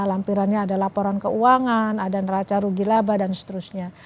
lampirannya ada laporan keuangan ada neraca rugi laba dan seterusnya